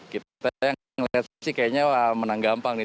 kita yang ngeliat sih kayaknya menang gampang nih